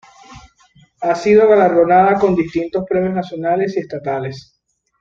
Ha sido galardonada con distintos premios nacionales y estatales.